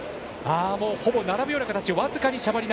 ほぼ並ぶような形。